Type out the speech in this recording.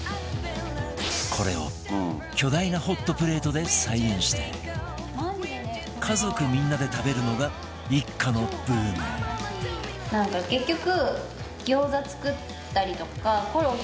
これを巨大なホットプレートで再現して家族みんなで食べるのが一家のブームなんか結局。